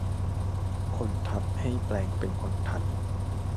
คนธรรพให้แปลงเป็นคนธรรพ์